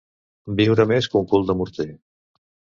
Viure més que un cul de morter.